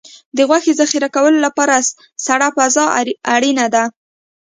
د غوښې ذخیره کولو لپاره سړه فضا اړینه ده.